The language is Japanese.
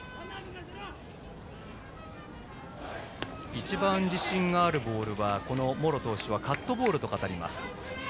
一番自信があるボールは茂呂投手はカットボールと語ります。